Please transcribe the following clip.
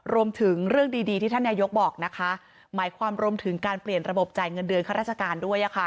รวมถึงเรื่องดีที่ท่านนายกบอกนะคะหมายความรวมถึงการเปลี่ยนระบบจ่ายเงินเดือนข้าราชการด้วย